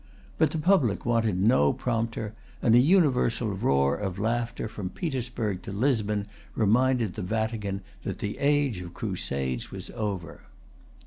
But the public wanted no prompter; and a universal roar of laughter from Petersburg to Lisbon reminded the Vatican that the age of crusades was over.